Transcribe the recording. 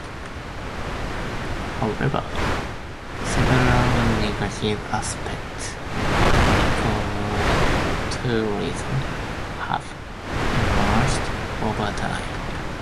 However, several negative aspects of ecotourism have emerged over time.